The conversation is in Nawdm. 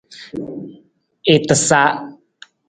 I tasa.